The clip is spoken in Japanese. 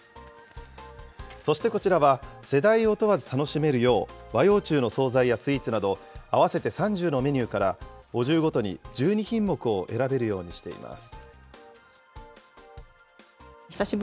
そしてこちらは、世代を問わず楽しめるよう、和洋中の総菜やスイーツなど、合わせて３０のメニューから、お重ごとに１２品目を選べるようにしています。